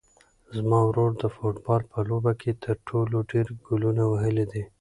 زما ورور د فوټبال په لوبه کې تر ټولو ډېر ګولونه وهلي دي.